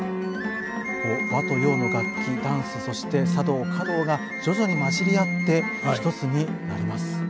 和と洋の楽器ダンスそして茶道華道が徐々にまじり合って一つになります。